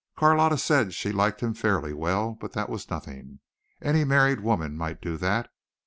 Carlotta said she liked him fairly well, but that was nothing. Any married woman might do that.